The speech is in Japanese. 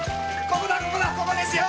ここだここですよ！